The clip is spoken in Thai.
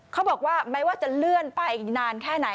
เขาบอกว่าแม้ว่าจะเลื่อนไปอีกนานแค่ไหน